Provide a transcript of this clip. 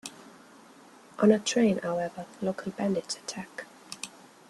On a train however, local bandits attack.